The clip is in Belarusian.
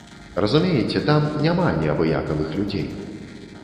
Разумееце, там няма неабыякавых людзей.